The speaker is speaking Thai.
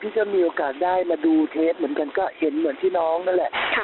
ที่ก็มีโอกาสได้มาดูเทปเหมือนกันก็เห็นเหมือนที่น้องนั่นแหละ